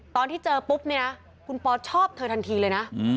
ตอนที่เจอปุ๊บเนี่ยนะคุณปอชอบเธอทันทีเลยนะ